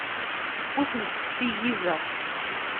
Ur tent-ssiggizeɣ.